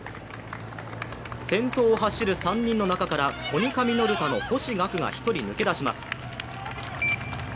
先頭を走る３人の中からコニカミノルタの星岳が一人抜け出します。